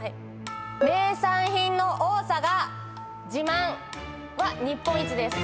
「名産品の多さ」が自慢は日本一です。